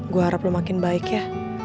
gue harap lu makin baik ya